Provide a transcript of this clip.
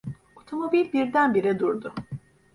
Otomobil birdenbire durdu.